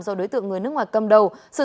do đối tượng người nước ngoài cầm đầu